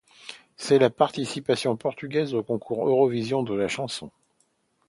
C'est la participation portugaise au Concours Eurovision de la chanson.